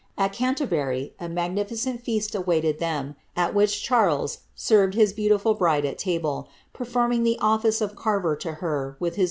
At Canterbury, a magnificent feast awaited them, at which Charles served his beautiful bride at table, per iorming the office of carver lo her, with his own royal hands.